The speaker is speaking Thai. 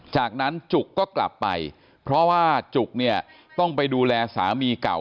จากนั้นจุกก็กลับไปเพราะว่าจุกเนี่ยต้องไปดูแลสามีเก่า